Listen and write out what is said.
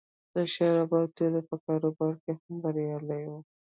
د شرابو او تیلو په کاروبار کې هم بریالی و